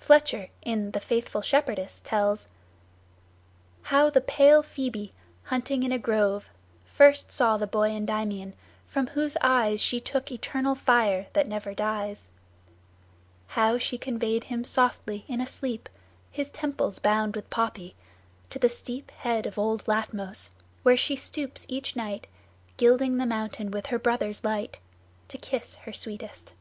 Fletcher, in the "Faithful Shepherdess," tells: "How the pale Phoebe, hunting in a grove, First saw the boy Endymion, from whose eyes She took eternal fire that never dies; How she conveyed him softly in a sleep, His temples bound with poppy, to the steep Head of old Latmos, where she stoops each night, Gilding the mountain with her brother's light, To kiss her sweetest."